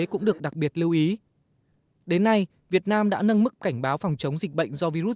cũng được đặc biệt lưu ý đến nay việt nam đã nâng mức cảnh báo phòng chống dịch bệnh do virus